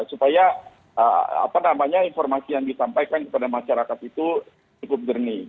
supaya informasi yang disampaikan kepada masyarakat itu cukup jernih